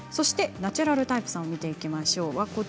ナチュラルタイプさんを見ていきましょう。